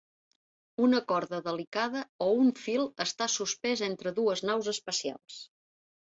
Una corda delicada o un fil està suspès entre dues naus espacials.